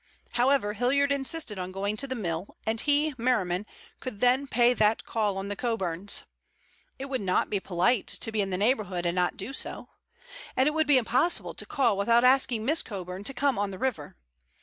However, Hilliard insisted on going to the mill, and he, Merriman, could then pay that call on the Coburns. It would not be polite to be in the neighborhood and not do so. And it would be impossible to call without asking Miss Coburn to come on the river.